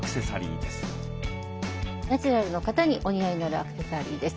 ナチュラルの方にお似合いになるアクセサリーです。